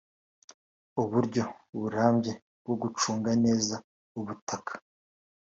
uburyo burambye bwo gucunga neza ubutaka